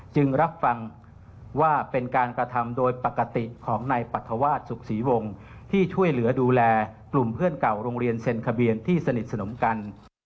จึงรับฟังว่าเป็นการกระทำโดยปกติของนายปรัฐวาสสุขศรีวงศ์ที่ช่วยเหลือดูแลกลุ่มเพื่อนเก่าโรงเรียนเซ็นทะเบียนที่สนิทสนมกัน